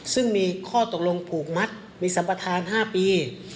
ซึ่งมีข้อตกลงผูกมัดมีสัมประธาน๕ปี